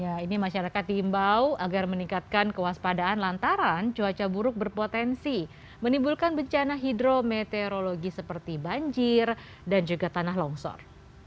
ya ini masyarakat diimbau agar meningkatkan kewaspadaan lantaran cuaca buruk berpotensi menimbulkan bencana hidrometeorologi seperti banjir dan juga tanah longsor